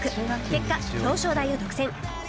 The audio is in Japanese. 結果表彰台を独占